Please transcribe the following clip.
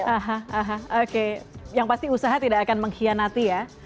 aha aha oke yang pasti usaha tidak akan mengkhianati ya